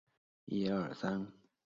坐落于海丰县城北郊五坡岭。